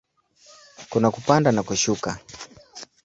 Kuna kupanda na kushuka.